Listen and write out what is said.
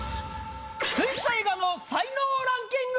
水彩画の才能ランキング！